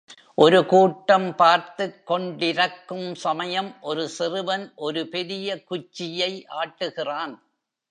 ஒரு கூட்டம் பார்த்துக்கொண்டிரக்கும் சமயம் ஒரு சிறுவன் ஒரு பெரிய குச்சியை ஆட்டுகிறான்.